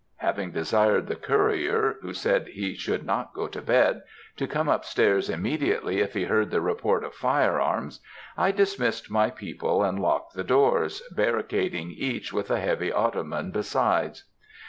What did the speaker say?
Having desired the courier, who said he should not go to bed, to come up stairs immediately if he heard the report of fire arms, I dismissed my people and locked the doors, barricading each with a heavy ottoman besides.